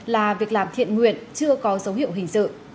là việc làm thiện nguyện chưa có dấu hiệu hình sự